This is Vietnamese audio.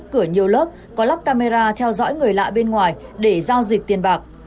cửa nhiều lớp có lắp camera theo dõi người lạ bên ngoài để giao dịch tiền bạc